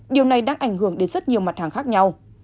điều này đang ảnh hưởng đến rất nhiều mặt hàng khác nhau